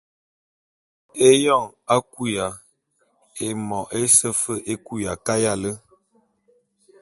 Eyoñ a kuya, émo ése fe é kuya kayale.